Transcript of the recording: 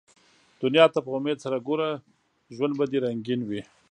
دنیا ته په امېد سره ګوره ، ژوند به دي رنګین وي